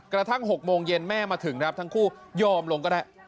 กระทั่ง๖โมงเย็นแม่มาถึงครับทั้งคู่ยอมลงก็ได้